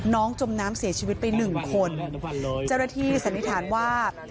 จมน้ำเสียชีวิตไปหนึ่งคนเจ้าหน้าที่สันนิษฐานว่า